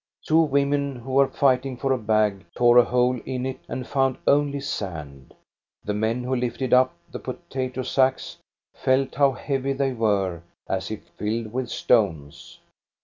Two women, who were fighting for a bag, tore a hole in it and found only sand ; the men who lifted up the potato sacks, felt how heavy they were, as if filled with stones.